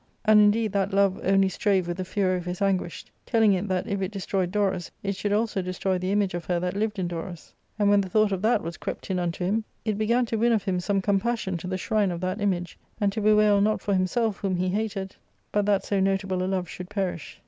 And indeed that love only strave with the fury of his anguish, telling it that if it destroyed Dorus it should also destroy the image of her that lived in Dorus ; and when the thought of that was crept in unto him, it began to win of him some compassion to the shrine of that image, and to bewail not for himself, whom he hated, but that so notable a love should perish.